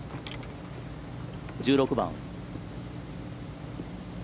１６番。